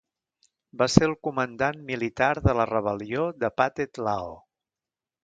Va ser el comandant militar de la rebel·lió de Pathet Lao.